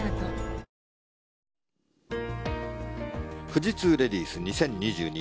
富士通レディース２０２２。